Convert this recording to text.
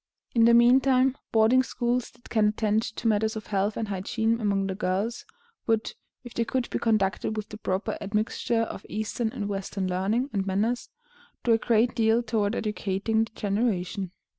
In the mean time, boarding schools, that can attend to matters of health and hygiene among the girls, would, if they could be conducted with the proper admixture of Eastern and Western learning and manners, do a great deal toward educating that generation.